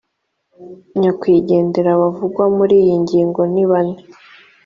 nyakwigendera bavugwa muri iyi ngingo nibane